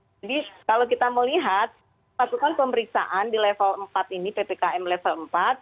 jadi kalau kita melihat pasukan pemeriksaan di level empat ini ptkm level empat